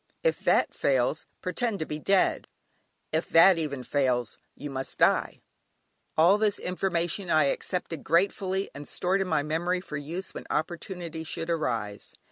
If that fails, pretend to be dead; if that even fails, you must die. All this information I accepted gratefully and stored in my memory for use when opportunity should arise.